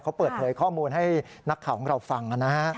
เขาเปิดเผยข้อมูลให้นักข่าวของเราฟังนะฮะ